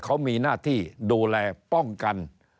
เขามีหน้าที่ดูแลป้องกัน